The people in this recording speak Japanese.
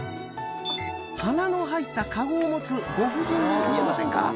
花の入ったカゴを持つご婦人に見えませんか？